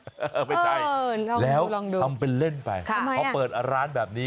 เออไม่ใช่แล้วทำเป็นเล่นไปพอเปิดร้านแบบนี้